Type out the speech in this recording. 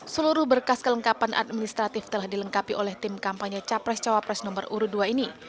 seluruh berkas kelengkapan administratif telah dilengkapi oleh tim kampanye capres cawapres nomor urut dua ini